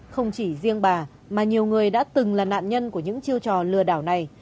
không chỉ riêng bà mà nhiều người đã từng là nạn nhân của những chiêu trò lừa đảo này